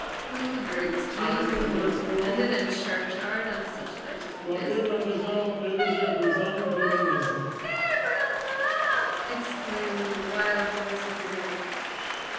"Who drinks Hollands alone, and in a churchyard on such a night as this?" "Gabriel Grubb! Gabriel Grubb!" exclaimed the wild voices again.